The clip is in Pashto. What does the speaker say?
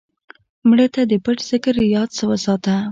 مړه ته د پټ ذکر یاد وساته